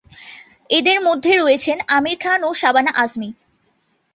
এদের মধ্যে রয়েছেন আমির খান ও শাবানা আজমি।